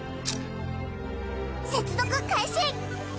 接続開始！